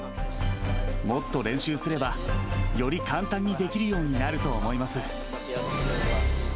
もっと練習すれば、より簡単にできるようになると思います。